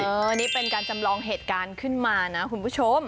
อันนี้เป็นการจำลองเหตุการณ์ขึ้นมานะคุณผู้ชม